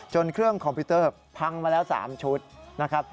เครื่องคอมพิวเตอร์พังมาแล้ว๓ชุดนะครับ